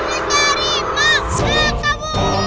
mencari maksak kamu